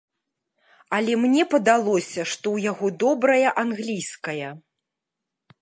Але мне падалося, што ў яго добрая англійская.